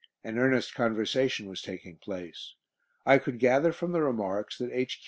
An earnest conversation was taking place. I could gather from the remarks that H.Q.